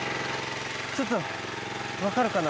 ちょっとわかるかな？